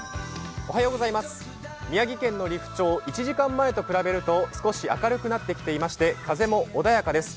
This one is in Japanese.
宮城県の利府町１時間前と比べると少し明るくなってきていまして、風も穏やかです。